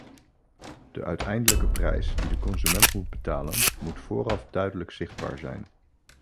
De uiteindelijke prijs die de consument moet betalen, moet vooraf duidelijk zichtbaar zijn.